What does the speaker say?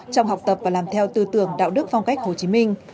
trong học tập và làm theo tư tưởng đạo đức phong cách hồ chí minh